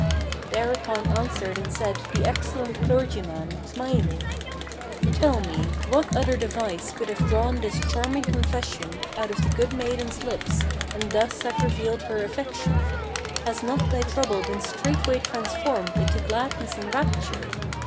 Thereupon answered and said the excellent clergyman, smiling: "Tell me, what other device could have drawn this charming confession Out of the good maiden's lips, and thus have revealed her affection? Has not thy trouble been straightway transformed into gladness and rapture?